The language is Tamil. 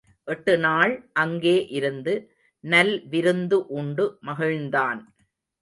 எட்டு நாள் அங்கே இருந்து நல் விருந்து உண்டு மகிழ்ந்தான்.